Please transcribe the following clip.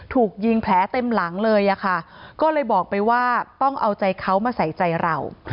ถูกยิงแผลเต็มหลังเลยอะค่ะก็เลยบอกไปว่าต้องเอาใจเขามาใส่ใจเรา